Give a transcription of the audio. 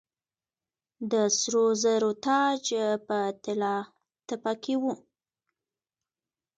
د سرو زرو تاج په طلا تپه کې و